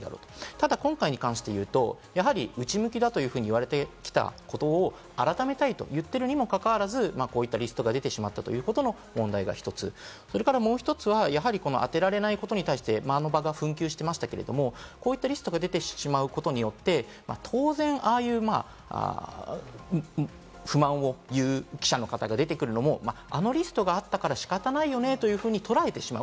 ただ今回に関して言うと、かなり内向きだと言われてきたことを改めたいと言ってるにもかかわらず、こういったリストが出てしまったということの問題が１つ、それからもう１つは、この当てられないことに対してあの場が紛糾してましたけれど、こういったリストが出てしまうことによって、当然、ああいう不満を言う記者の方が出てくるのも、あのリストがあったから仕方ないよねと捉えてしまう。